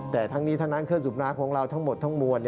แต่ทั้งนี้ทั้งนั้นเครื่องสูบน้ำของเราทั้งหมดทั้งมวล